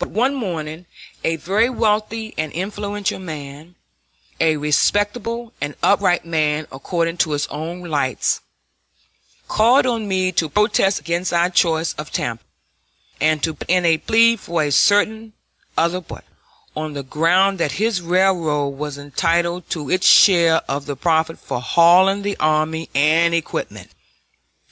But one morning a very wealthy and influential man, a respectable and upright man according to his own lights, called on me to protest against our choice of Tampa, and to put in a plea for a certain other port, on the ground that his railroad was entitled to its share of the profit for hauling the army and equipment!